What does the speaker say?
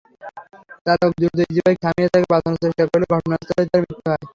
চালক দ্রুত ইজিবাইক থামিয়ে তাকে বাঁচানোর চেষ্টা করলেও ঘটনাস্থলেই তার মৃত্যু হয়।